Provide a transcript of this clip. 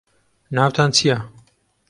ناوتان چییە؟